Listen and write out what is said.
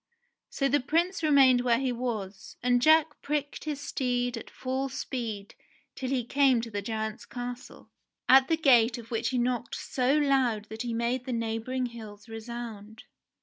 So the Prince remained where he was, and Jack pricked his steed at full speed till he came to the giant's castle, at the gate of which he knocked so loud that he made the neighbouring hills resound.